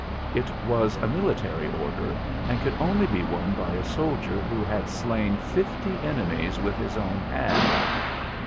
It was a military order, and could only be won by a soldier who had slain fifty enemies with his own hand.